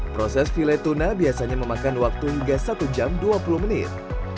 proses file tuna biasanya memakan waktu hingga satu jam dua puluh menit